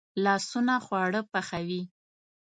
لاسونه خواړه پخوي